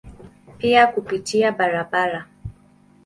Pia kupitia barabara.